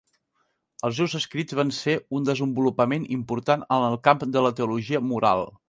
Els seus escrits van ser un desenvolupament important en el camp de la teologia moral.